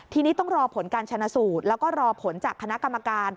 ทีนี้ต้องรอผลการชนะสูตรแล้วก็รอผลจากคณะกรรมการ